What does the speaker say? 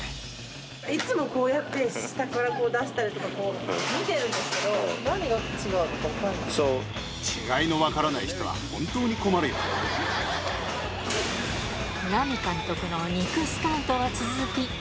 いつもこうやって、下からこう出したりとか、見てるんですけど、何が違うのか分かん違いの分からない人は本当にラミ監督の肉スカウトは続き。